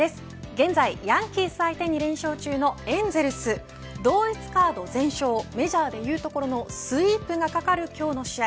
現在ヤンキース相手に連勝中のエンゼルス同一カード全勝メジャーで言うところのスイープが懸かる今日の試合